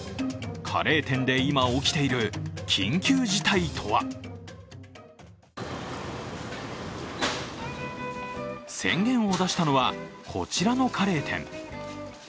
カレー店で今起きている緊急事態とは宣言を出したのはこちらのカレー店。